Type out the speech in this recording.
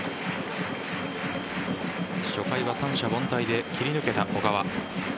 初回は三者凡退で切り抜けた小川。